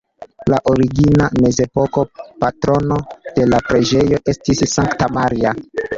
La origina mezepoka patrono de la preĝejo estis Sankta Maria.